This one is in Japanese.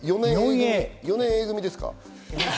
４年Ａ組ですか？